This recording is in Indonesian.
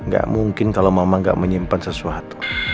gak mungkin kalau mama gak menyimpan sesuatu